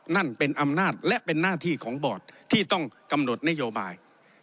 นั่นเป็นอำนาจและเป็นหน้าที่ของบอร์ดที่ต้องกำหนดนโยบาย